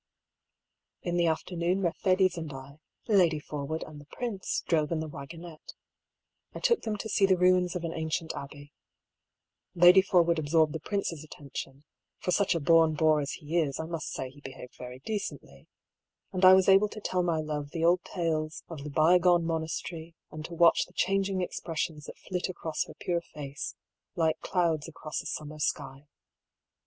In the afternoon Mercedes and I, Lady Forwood and the prince, drove in the waggonette. I took them to see the ruins of an ancient abbey. Lady Forwood ab sorbed the prince's attention — (for such a born boor as he is, I must say he behaved very decently) — and I was able to tell my love the old tales of the by gone monas 258 I>R PAULL'S THEORY. tery, and to watch the changing expressions that flit across her pure face, like the clouds across a summer sky.